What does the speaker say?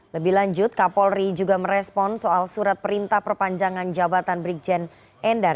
lebih lanjut kapolri juga merespon soal surat perintah perpanjangan jabatan brigjen endar